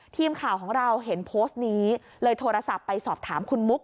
ทีมข่าวของเราเห็นโพสต์นี้เลยโทรศัพท์ไปสอบถามคุณมุก